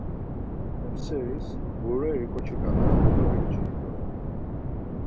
Hem seris ğureri ǩoçi ǩala dobinciri doren.